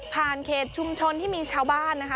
เขตชุมชนที่มีชาวบ้านนะคะ